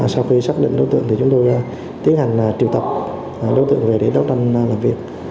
sau khi xác định đối tượng thì chúng tôi tiến hành triệu tập đối tượng về để đấu tranh làm việc